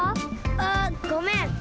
あっごめん。